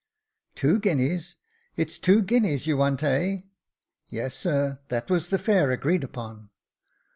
" Two guineas ! It's two guineas you want, heh ?"*' Yes, sir, that was the fare agreed upon."